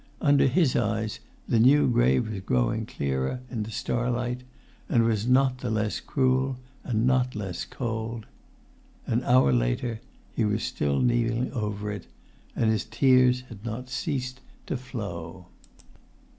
Under his eyes the new grave was growing clearer in the starlight, and not less cruel, and not less cold. An hour later he was still kneeling over it, and his tears had not ceased to flow.